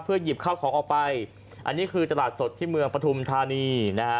หยิบข้าวของออกไปอันนี้คือตลาดสดที่เมืองปฐุมธานีนะฮะ